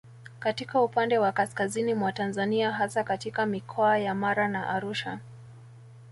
Katika upande wa kaskazini mwa Tanzania hasa katika Mikoa ya Mara na Arusha